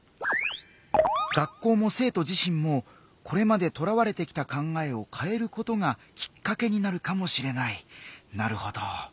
学校も生徒自身もこれまでとらわれてきた考えをかえることがきっかけになるかもしれないなるほど。